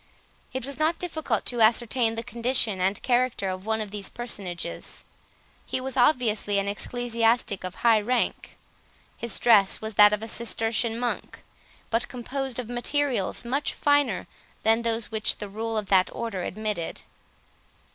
It was not difficult to ascertain the condition and character of one of these personages. He was obviously an ecclesiastic of high rank; his dress was that of a Cistercian Monk, but composed of materials much finer than those which the rule of that order admitted.